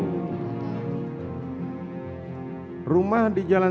rumah di jalan saghuling dan rumah di jalan